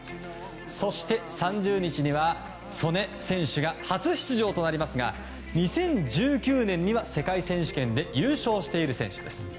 そして３０日には素根選手が初出場となりますが２０１９年には世界選手権で優勝している選手です。